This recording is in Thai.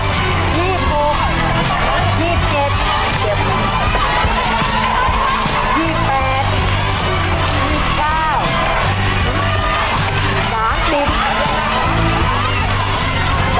เจ็ดให้ดีกว่าอุ๊ยอุ๊ยอุ๊ย